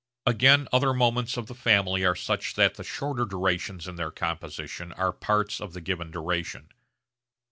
Again other moments of the family are such that the shorter durations in their composition are parts of the given duration.